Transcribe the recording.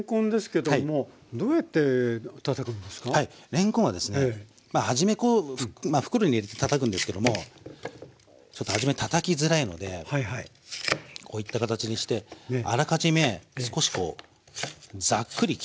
れんこんはですねまあ初めこう袋に入れてたたくんですけどもちょっと初めたたきづらいのでこういった形にしてあらかじめ少しこうザックリ切っときます。